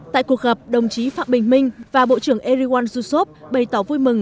tại cuộc gặp đồng chí phạm bình minh và bộ trưởng erdogan susup bày tỏ vui mừng